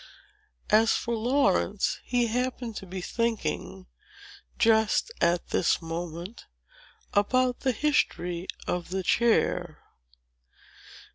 As for Laurence, he happened to be thinking, just at this moment, about the history of the chair.